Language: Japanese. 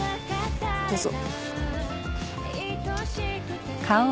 どうぞ。